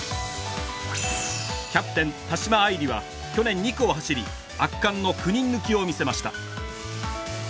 キャプテン田島愛梨は去年２区を走り圧巻の９人抜きを見せました。